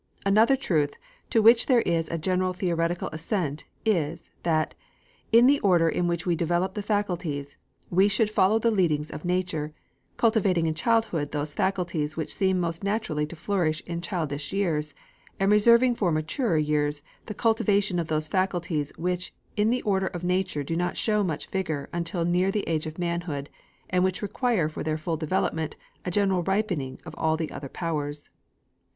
Another truth, to which there is a general theoretical assent, is, that, in the order in which we develop the faculties, we should follow the leadings of nature, cultivating in childhood those faculties which seem most naturally to flourish in childish years, and reserving for maturer years the cultivation of those faculties which in the order of nature do not show much vigor until near the age of manhood, and which require for their full development a general ripening of all the other powers.